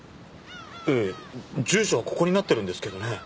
ええ住所はここになってるんですけどね。